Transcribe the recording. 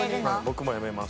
僕もやめます。